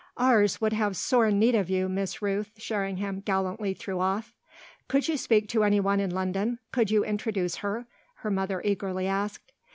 "Ours would have sore need of you, Miss Rooth," Sherringham gallantly threw off. "Could you speak to any one in London could you introduce her?" her mother eagerly asked.